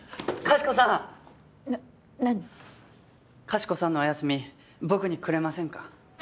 かしこさんのお休み僕にくれませんか？